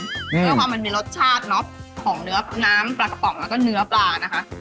เพื่อความมันมีรสชาติเนอะของเนื้อน้ำปลากระป๋องแล้วก็เนื้อปลานะคะ